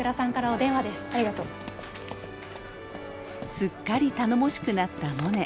すっかり頼もしくなったモネ。